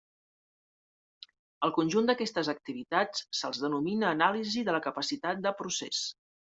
Al conjunt d'aquestes activitats se'l denomina anàlisi de la capacitat de procés.